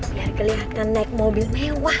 biar kelihatan naik mobil mewah